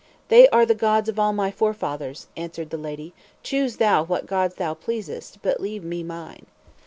"They are the gods of all my forefathers," answered the lady, "choose thou what gods thou pleasest, but leave me mine."